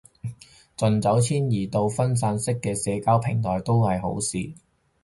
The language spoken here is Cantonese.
盡早遷移到去分散式嘅社交平台都係好事